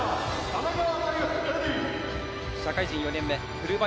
社会人４年目、古林。